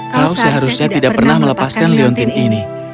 kau seharusnya tidak pernah melepaskan leontin ini